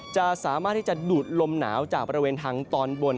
จะสามารถที่จะดูดลมหนาวจากบริเวณทางตอนบน